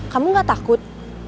kamu gak takut